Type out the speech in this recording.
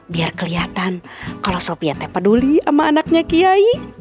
biar kelihatan kalau sopietnya peduli sama anaknya kiai